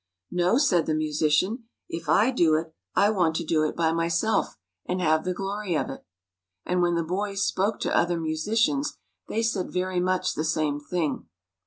"" No," said the musician, " if I do it I want to do it by myself, and have the glory of it." And when the boys spoke to other musicians, they said very much the same thing.